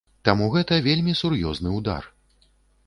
Таму гэта вельмі сур'ёзны ўдар.